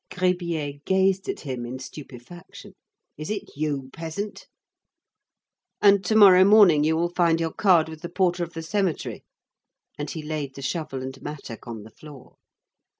Gribier gazed at him in stupefaction. "Is it you, peasant?" "And to morrow morning you will find your card with the porter of the cemetery." And he laid the shovel and mattock on the floor.